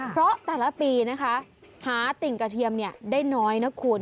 เพราะแต่ละปีนะคะหาติ่งกระเทียมได้น้อยนะคุณ